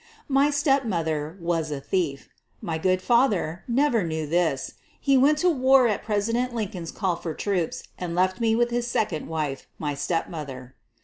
My stepmother was a thief. My good father never knew this. He went to the war at President Lincoln's c&ll for troops and left me with his second wife, my stepmother.